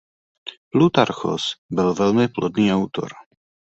Plútarchos byl velmi plodný autor.